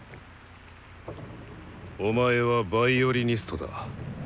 お前はヴァイオリニストだ。